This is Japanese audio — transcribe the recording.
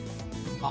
あっ。